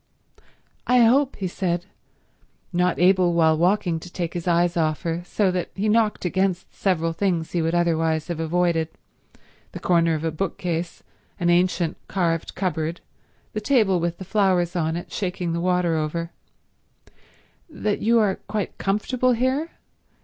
"I hope," he said, not able while walking to take his eyes off her, so that he knocked against several things he would otherwise have avoided—the corner of a bookcase, an ancient carved cupboard, the table with the flowers on it, shaking the water over—"that you are quite comfortable here?